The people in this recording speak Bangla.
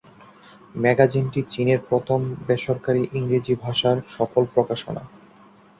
ম্যাগাজিনটি চীনের প্রথম বেসরকারী ইংরেজি ভাষার সফল প্রকাশনা।